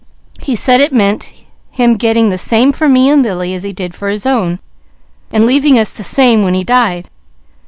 He said it meant him getting the same for me and Lily as he did for his own, and leaving us the same when he died.